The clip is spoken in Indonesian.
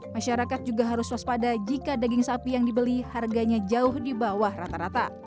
masyarakat juga harus waspada jika daging sapi yang dibeli harganya jauh di bawah rata rata